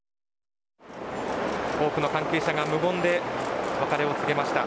多くの関係者が無言で別れを告げました。